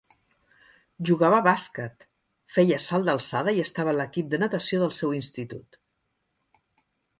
Jugava a bàsquet, feia salt d'alçada i estava a l'equip de natació del seu institut.